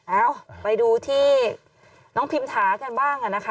เอ้าไปดูที่น้องพิมถากันบ้างนะคะ